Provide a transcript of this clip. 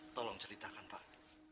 tolong ceritakan pak